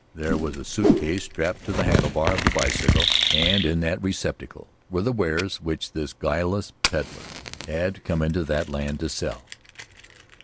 There was a suit case strapped to the handlebar of the bicycle, and in that receptacle were the wares which this guileless peddler had come into that land to sell.